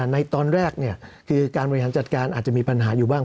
ในตอนแรกคือการบริหารจัดการอาจจะมีปัญหาอยู่บ้าง